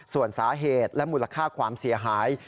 ส่วนสาเหตุและมูลค่าความเสียหาย